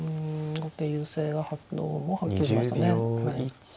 後手優勢がどうもはっきりしましたね。